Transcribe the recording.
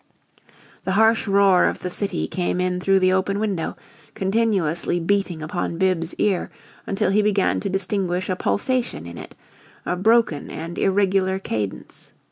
The harsh roar of the city came in through the open window, continuously beating upon Bibbs's ear until he began to distinguish a pulsation in it a broken and irregular cadence.